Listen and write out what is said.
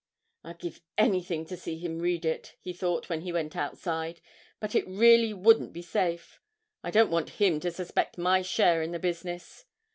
'I'd give anything to see him read it!' he thought when he was outside; 'but it really wouldn't be safe. I don't want him to suspect my share in the business.'